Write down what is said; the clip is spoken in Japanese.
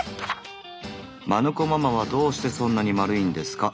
「マヌ子ママはどうしてそんなに丸いんですか？」。